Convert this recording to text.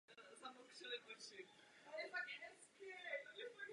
Důvodem ochrany jsou podmáčené smrčiny a olšiny s bohatou květenou.